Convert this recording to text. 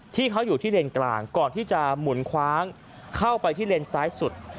ที่เขาอยู่ที่เลนกลางก่อนที่จะหมุนคว้างเข้าไปที่เลนซ้ายสุด